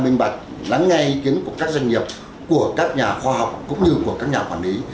minh bạch lắng ngay ý kiến của các doanh nghiệp của các nhà khoa học cũng như của các nhà quản lý